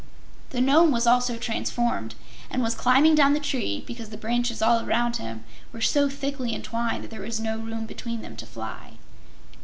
The Nome was also transformed and was climbing down the tree because the branches all around him were so thickly entwined that there was no room between them to fly.